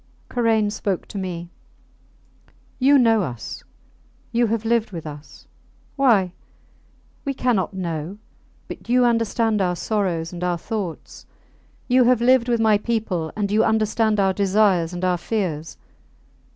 Karain spoke to me. You know us. You have lived with us. Why? we cannot know; but you understand our sorrows and our thoughts. You have lived with my people, and you understand our desires and our fears.